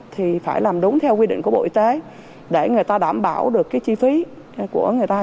thì phải làm đúng theo quy định của bộ y tế để người ta đảm bảo được cái chi phí của người ta